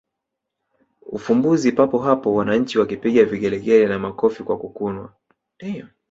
ufumbuzi papo hapo wananchi wakipiga vigelegele na makofi kwa kukunwa